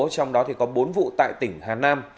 trong đó có bốn vụ tại tỉnh hà nam